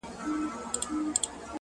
زموږ د بخت ستوري اشنا لکچې ښه خراب دي